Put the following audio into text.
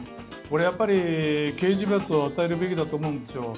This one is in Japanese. これやっぱり刑事罰を与えるべきだと思うんです。